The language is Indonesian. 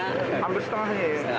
hampir setengahnya ya